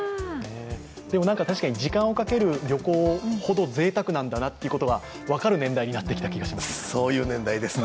確かに時間をかける旅行ほどぜいたくなんだということが分かる年代になってきた気がします。